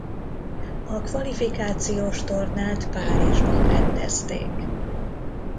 A kvalifikációs tornát Párizsban rendezték.